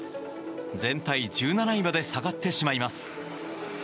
全体１７位まで下がってしまいます。